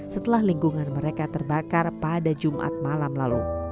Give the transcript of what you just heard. setelah lingkungan mereka terbakar pada jumat malam lalu